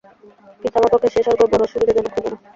কিন্তু আমার পক্ষে সে-স্বর্গ বড় সুবিধাজনক হইবে না।